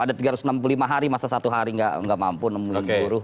ada tiga ratus enam puluh lima hari masa satu hari nggak mampu nemuin buruh